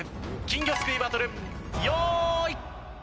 金魚すくいバトル用意。